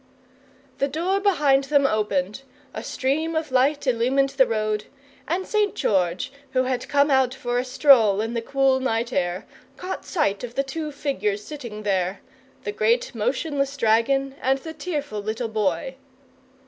The door behind them opened, a stream of light illumined the road, and St. George, who had come out for a stroll in the cool night air, caught sight of the two figures sitting there the great motionless dragon and the tearful little Boy.